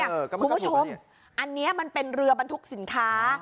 คุณผู้ชมอันนี้มันเป็นเรือบรรทุกสินค้า